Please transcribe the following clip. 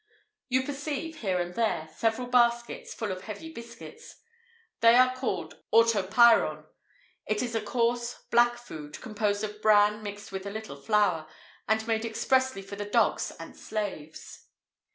[IV 67] You perceive, here and there, several baskets, full of heavy biscuits; they are called autopyron; it is a coarse, black food, composed of bran mixed with a little flour, and made expressly for the dogs and slaves.